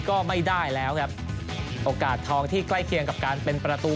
ก็ไม่ได้แล้วครับโอกาสทองที่ใกล้เคียงกับการเป็นประตู